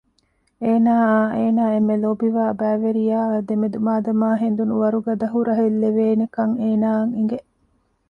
އޭނާއާ އޭނާ އެންމެ ލޯބިވާ ބައިވެރިޔާއާ ދެމެދު މާދަމާ ހެނދުނު ވަރުގަދަ ހުރަހެއްލެވޭނެކަން އޭނާއަށް އެނގެ